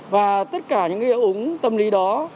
và tất cả những cái ứng tâm lý đó